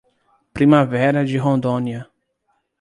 Primavera de Rondônia